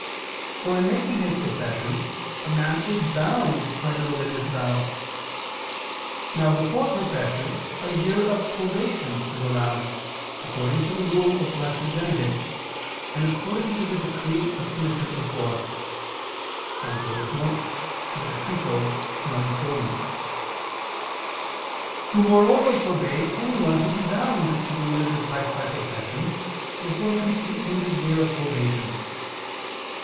For in making his profession a man is bound by the religious vow. Now before profession a year of probation is allowed, according to the rule of the Blessed Benedict (lviii) and according to the decree of Innocent IV [*Sext. Decret., cap. Non solum., de Regular. et Transeunt, ad Relig.] who moreover forbade anyone to be bound to the religious life by profession before completing the year of probation.